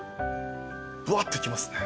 ぶわってきますね